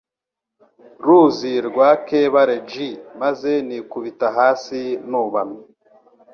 ruzi rwa Kebari j maze nikubita hasi nubamye